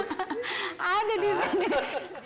ada di sini